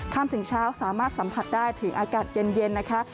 ถึงเช้าสามารถสัมผัสได้ถึงอากาศเย็นนะคะ